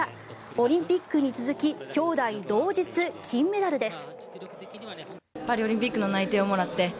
オリンピックに続き兄妹同日金メダルです。